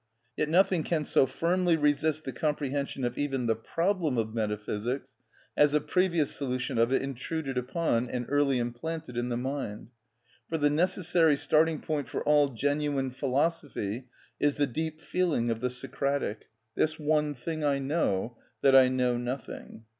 Yet nothing can so firmly resist the comprehension of even the problem of metaphysics as a previous solution of it intruded upon and early implanted in the mind. For the necessary starting point for all genuine philosophy is the deep feeling of the Socratic: "This one thing I know, that I know nothing."